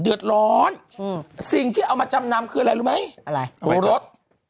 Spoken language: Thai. เดือดร้อนอืมสิ่งที่เอามาจำนำคืออะไรรู้ไหมอะไรตัวรถ